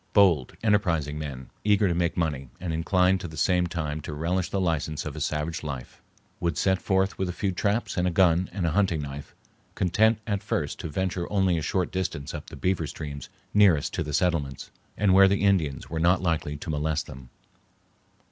Bold, enterprising men, eager to make money, and inclined at the same time to relish the license of a savage life, would set forth with a few traps and a gun and a hunting knife, content at first to venture only a short distance up the beaver streams nearest to the settlements, and where the Indians were not likely to molest them.